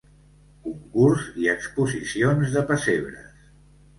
Concurs i exposicions de pessebres.